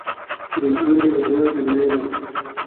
روڼ اندي د هېواد سرمایه ده.